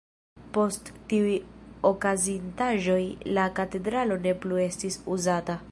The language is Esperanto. Post tiuj okazintaĵoj la katedralo ne plu estis uzata.